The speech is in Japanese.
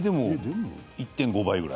１．５倍くらい。